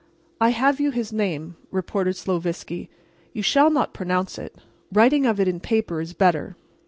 "I have you his name," reported Sloviski. "You shall not pronounce it. Writing of it in paper is better."